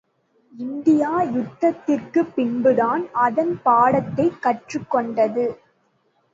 India யுத்தத்திற்கு பின்புதான் அதன் பாடத்தைக் கற்றுக்கொண்டது.